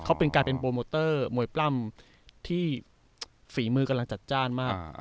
เขาเป็นการเป็นโปรโมเตอร์มวยปล้ำที่ฝีมือกำลังจัดจ้านมาก